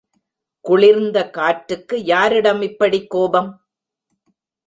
குளிர்ந்த காற்றுக்கு யாரிடம் இப்படிக் கோபம்?